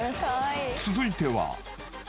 ［続いては］